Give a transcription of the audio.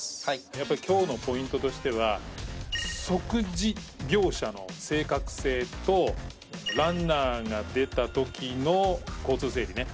やっぱり今日のポイントとしては即時描写の正確性とランナーが出た時の交通整理ね。